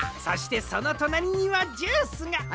そしてそのとなりにはジュースが。